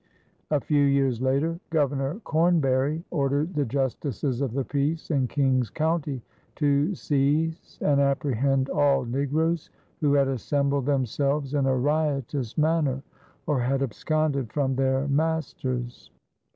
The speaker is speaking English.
A few years later Governor Cornbury ordered the justices of the peace in King's County to seize and apprehend all negroes who had assembled themselves in a riotous manner or had absconded from their masters.